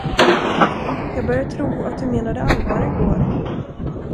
Jag börjar tro att du menade allvar i går.